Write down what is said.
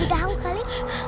jadi udah hampir kali